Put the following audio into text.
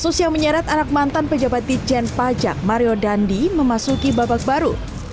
kasus yang menyeret anak mantan pejabat di jen pajak mario dandi memasuki babak baru